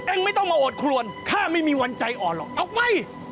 ไม่ต้องมาโอดครวนถ้าไม่มีวันใจอ่อนหรอกออกไป